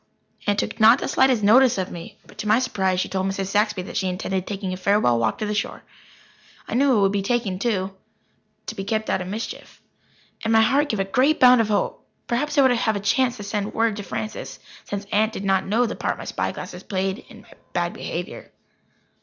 Aunt took not the slightest notice of me, but to my surprise she told Mrs. Saxby that she intended taking a farewell walk to the shore. I knew I would be taken, too, to be kept out of mischief, and my heart gave a great bound of hope. Perhaps I would have a chance to send word to Francis, since Aunt did not know of the part my spyglass had played in my bad behaviour.